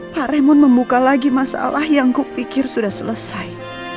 pak raymond membuka lagi masalah yang kupikir sudah selesai